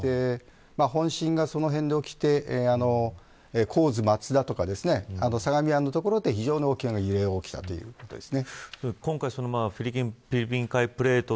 本震がその辺で起きて相模湾の所で非常に大きな揺れが起きたということです。